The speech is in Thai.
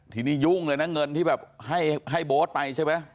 ทีนี้ยุ่งเลยนะเงินที่แบบให้โบ๊ทไปใช่ไหม